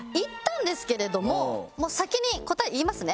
先に答え言いますね。